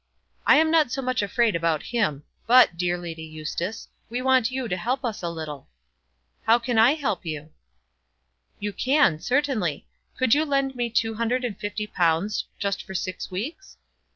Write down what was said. "I am not so much afraid about him; but, dear Lady Eustace, we want you to help us a little." "How can I help you?" "You can, certainly. Could you lend me two hundred and fifty pounds, just for six weeks?"